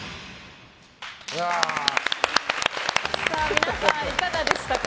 皆さん、いかがでしたか？